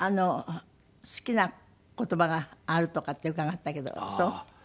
好きな言葉があるとかって伺ったけどそう？